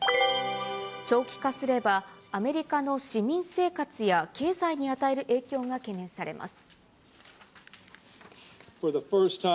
長期化すれば、アメリカの市民生活や経済に与える影響が懸念されます。